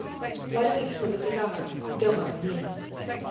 "Why don't you smoke a cigar? Don't mind me."